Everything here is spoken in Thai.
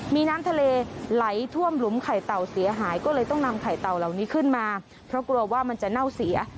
มีน้ำทะเลไหลท่วมหลุมไข่เต่าเสียหายก็เลยต้องนำไข่เต่าเหล่านี้ขึ้นมาเพราะกลัวว่ามันจะเน่าเสีย